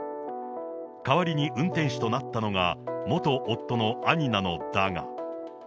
代わりに運転手となったのが、元夫の兄なのだが。